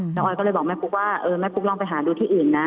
ออยก็เลยบอกแม่ปุ๊กว่าเออแม่ปุ๊กลองไปหาดูที่อื่นนะ